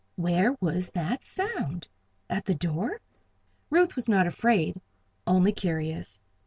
Where was that sound? At the door? Ruth was not afraid only curious.